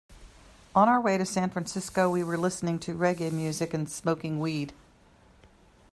On our way to San Francisco, we were listening to reggae music and smoking weed.